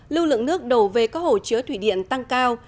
lưu lượng nước đổ về có hổ chứa thủy điện tăng cao